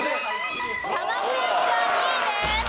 卵焼きは２位です。